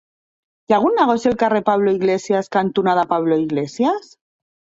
Hi ha algun negoci al carrer Pablo Iglesias cantonada Pablo Iglesias?